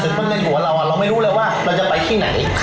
แต่ถึงเป็นกลัวเราเราไม่รู้เลยว่าเราจะไปที่ไหน